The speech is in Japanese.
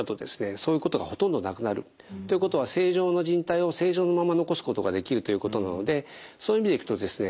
そういうことがほとんどなくなるということは正常なじん帯を正常なまま残すことができるということなのでそういう意味でいくとですね